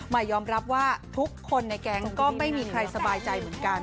ยอมรับว่าทุกคนในแก๊งก็ไม่มีใครสบายใจเหมือนกัน